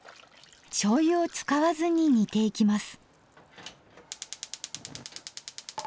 しょうゆを使わずに煮ていきます。